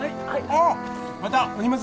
あっまたお荷物です。